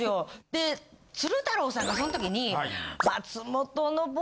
で鶴太郎さんがそんときに。